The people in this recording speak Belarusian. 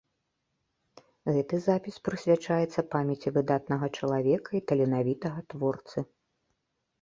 Гэты запіс прысвячаецца памяці выдатнага чалавека і таленавітага творцы.